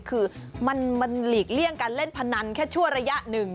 คือมันหลีกเลี่ยงการเล่นพนันแค่ชั่วระยะหนึ่ง